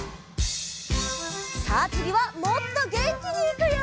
さあつぎはもっとげんきにいくよ！